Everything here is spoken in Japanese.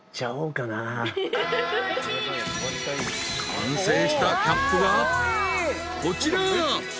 ［完成したキャップがこちら］